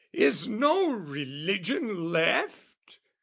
Is no religion left?